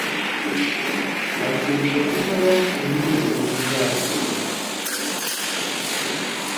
akwiriye guhora mu ntekerezo zacu